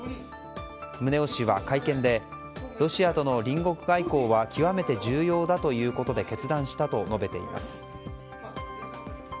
宗男氏は会見でロシアとの隣国外交は極めて重要だということで決断したと述べています。